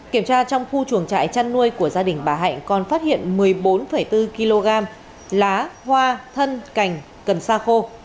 kiểm tra trong khu chuồng trại chăn nuôi của gia đình bà hạnh còn phát hiện một mươi bốn bốn kg lá hoa thân cành cần sa khô